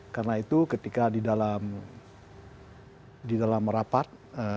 karena itu ketika di dalam rapat